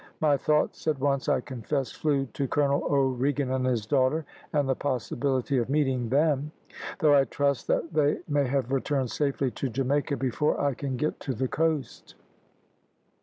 My thoughts at once, I confess, flew to Colonel O'Regan and his daughter, and the possibility of meeting them; though I trust that they may have returned safely to Jamaica before I can get to the coast."